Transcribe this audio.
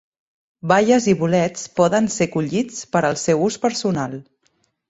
Baies i bolets poden ser collits per al seu ús personal.